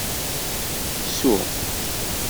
Suɣ.